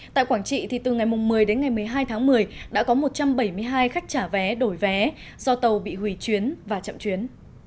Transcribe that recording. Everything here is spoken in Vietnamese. tại quảng trị thì từ ngày một mươi đến ngày một mươi hai tháng một mươi đã có một trăm bảy mươi hai khách trả vé đổi vé do tàu bị hủy chuyến và chậm chuyến